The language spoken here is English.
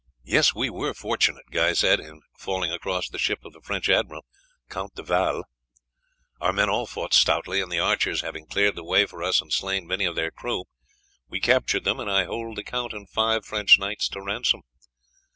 "Yes, we were fortunate," Guy said, "in falling across the ship of the French admiral, Count de Valles. Our men all fought stoutly, and the archers having cleared the way for us and slain many of their crew, we captured them, and I hold the count and five French knights to ransom."